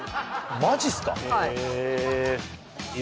マジっすか？